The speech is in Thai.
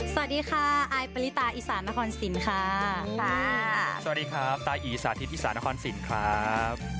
สวัสดีค่ะอายปริตาอีสานนครสินค่ะสวัสดีครับตาอีสาธิตที่สานครสินครับ